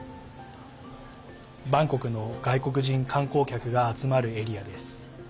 バンコクの外国人観光客が集まるエリアです。